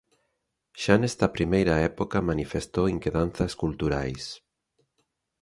Xa nesta primeira época manifestou inquedanzas culturais.